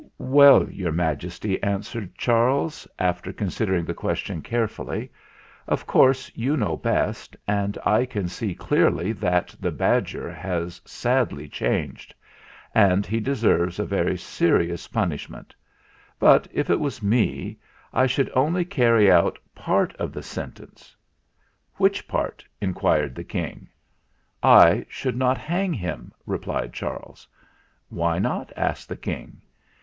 "Well, Your Majesty," answered Charles, after considering the question carefully, "of course you know best, and I can see clearly that the badger has sadly changed, and he deserves THE SENTENCE 301 a very serious punishment; but, if it was me, I should only carry out part of the sentence." "Which part ?" inquired the King. ' "I should not hang him," replied Charles. "Why not?" asked the King.